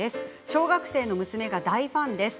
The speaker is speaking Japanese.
小学生の娘が大ファンです。